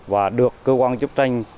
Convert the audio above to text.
và được cơ quan chức tranh